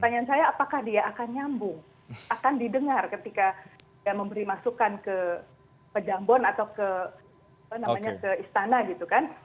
dia akan nyambung akan didengar ketika yang memberi masukan ke pedangbon atau ke apa namanya ke istana gitu kan